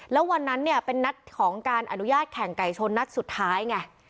แล้ววันนั้นเนี่ยเป็นนัดของการอนุญาตแข่งไก่ชนนัดสุดท้ายไง